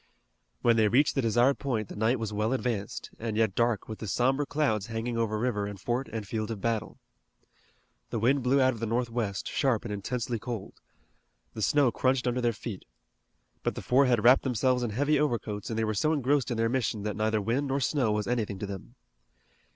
When they reached the desired point the night was well advanced, and yet dark with the somber clouds hanging over river and fort and field of battle. The wind blew out of the northwest, sharp and intensely cold. The snow crunched under their feet. But the four had wrapped themselves in heavy overcoats, and they were so engrossed in their mission that neither wind nor snow was anything to them.